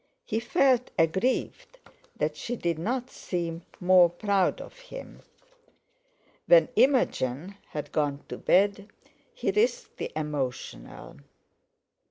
He felt aggrieved that she did not seem more proud of him. When Imogen had gone to bed, he risked the emotional.